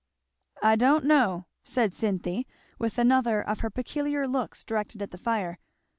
"I don't know," said Cynthy, with another of her peculiar looks directed at the fire.